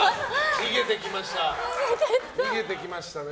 逃げて行きました。